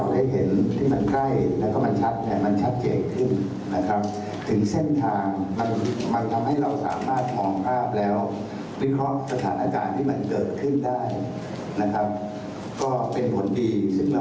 ซึ่งเราเชื่อว่าน่าจะมีการกระทำความผิด